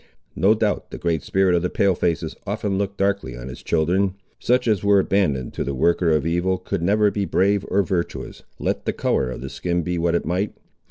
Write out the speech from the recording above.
No doubt the Great Spirit of the Pale faces often looked darkly on his children. Such as were abandoned to the worker of evil could never be brave or virtuous, let the colour of the skin be what it might.